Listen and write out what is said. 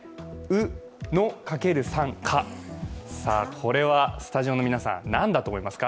これは、スタジオの皆さんなんだと思いますか？